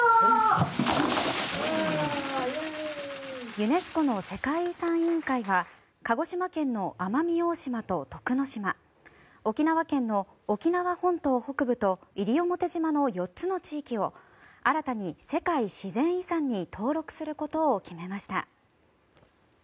ユネスコの世界遺産委員会は鹿児島県の奄美大島と徳之島沖縄県の沖縄本島北部と西表島の４つの地域を新たに世界自然遺産に登録することを決めました。